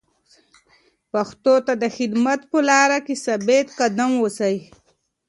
پښتو ته د خدمت په لاره کې ثابت قدم اوسئ.